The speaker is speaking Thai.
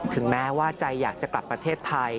ถึงแม้ว่าใจอยากจะกลับประเทศไทย